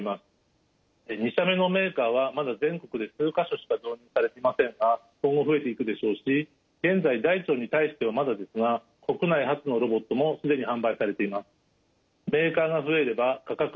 ２社目のメーカーはまだ全国で数か所しか導入されていませんが今後増えていくでしょうし現在大腸に対してはまだですが国内初のロボットも既に販売されています。